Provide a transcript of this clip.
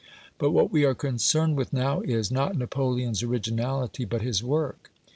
But what we are concerned with now is, not Napoleon's originality, but his work.